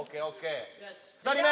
２人目！